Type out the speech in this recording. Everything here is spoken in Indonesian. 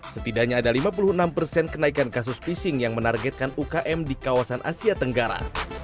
setidaknya ada lima puluh enam persen kenaikan kasus phishing yang menargetkan ukm di kawasan asia tenggara